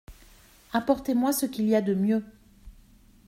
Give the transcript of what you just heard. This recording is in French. Apportez-moi ce qu’il y a de mieux.